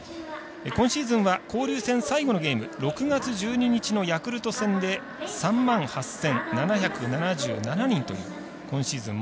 今シーズンは交流戦最後のゲーム６月１２日のヤクルト戦で３万８７７７人という今シーズン